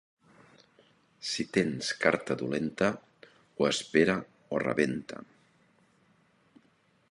Si tens carta dolenta, o espera o rebenta.